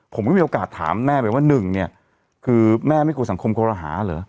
ผมก็มีโอกาสถามแม่ไปว่าหนึ่งเนี่ยคือแม่ไม่กลัวสังคมคอรหาเหรอ